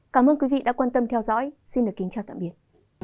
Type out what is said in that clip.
cảm ơn quý vị đã quan tâm theo dõi xin được kính chào tạm biệt